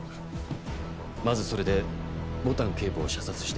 まずそれで牡丹警部を射殺して。